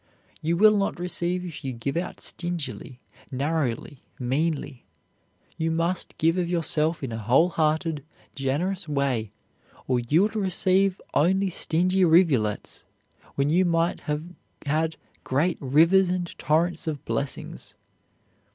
You will not receive if you give out stingily, narrowly, meanly. You must give of yourself in a whole hearted, generous way, or you will receive only stingy rivulets, when you might have had great rivers and torrents of blessings.